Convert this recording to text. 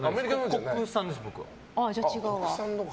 国産です、僕は。